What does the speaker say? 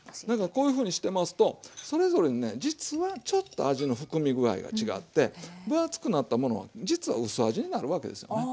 こういうふうにしてますとそれぞれにね実はちょっと味の含み具合が違って分厚くなったものは実は薄味になるわけですよね。